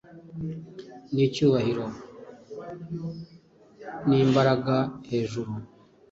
Nicyubahiro nimbaraga, hejuru